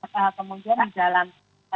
kemudian di dalam